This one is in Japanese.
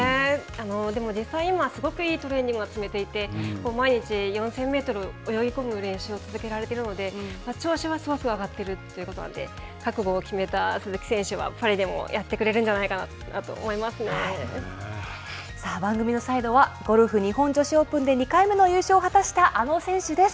でも実際今、すごくいいトレーニングをしていて、毎日４０００メートル泳ぎ込む練習を続けられているので、調子はすごく上がっているということなんで、覚悟を決めた鈴木選手はパリでもやってくさあ、番組の最後はゴルフ日本女子オープンで２回目の優勝を果たしたあの選手です。